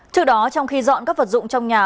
trước đó trong khi dọn các vật dụng trong nhà